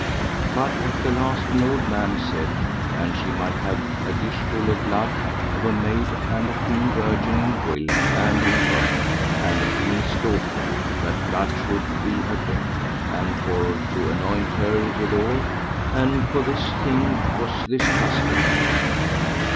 But at the last an old man said an she might have a dish full of blood of a maid and a clean virgin in will and in work, and a king's daughter, that blood should be her health, and for to anoint her withal; and for this thing was this custom made.